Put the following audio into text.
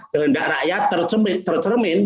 kehendak rakyat tercermin